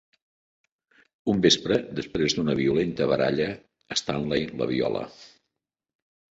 Un vespre, després d'una violenta baralla, Stanley la viola.